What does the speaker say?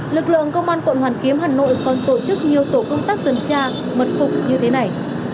lực lượng công an quận hoàn kiếm hà nội còn tổ chức nhiều tổ công tác tuần tra mật phục như thế này